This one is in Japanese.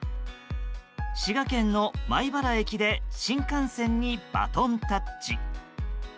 滋賀県の米原駅で新幹線にバトンタッチ。